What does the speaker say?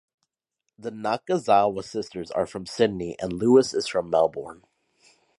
The Nakazawa sisters are from Sydney and Lewis is from Melbourne.